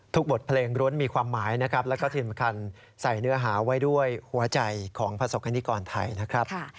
บทเพลงร้วนมีความหมายนะครับแล้วก็ที่สำคัญใส่เนื้อหาไว้ด้วยหัวใจของประสบคณิกรไทยนะครับ